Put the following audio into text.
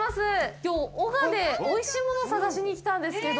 きょう男鹿でおいしいものを探しに来たんですけど。